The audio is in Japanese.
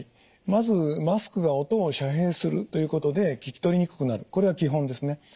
まずマスクが音を遮蔽するということで聞き取りにくくなるこれは基本ですね。